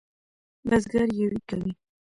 بزگر یویې کوي.